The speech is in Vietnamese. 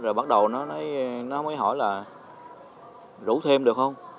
rồi bắt đầu nó mới hỏi là đủ thêm được không